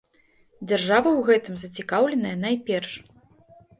Дзяржава ў гэтым зацікаўленая найперш.